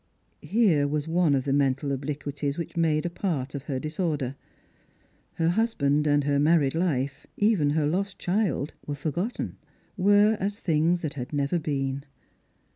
.. Here was one of the mental obliquities which made a part of her disorder. Her husband and her married life, even her lost child, were forgotten ; were as things that had never been.